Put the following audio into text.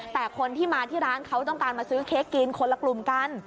แต่คนที่มาที่ร้านเขาต้องการมาซื้อเค้กกินคนละกลุ่มกัน